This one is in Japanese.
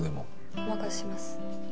お任せします。